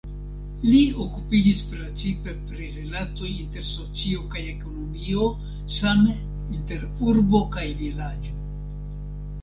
Li okupiĝis precipe pri rilatoj inter socio kaj ekonomio, same inter urbo kaj vilaĝo.